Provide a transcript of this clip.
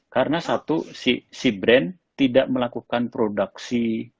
karena satu si brand tidak melakukan produksi